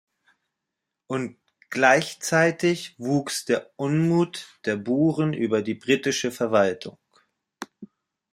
Gleichzeitig wuchs der Unmut der Buren über die britische Verwaltung.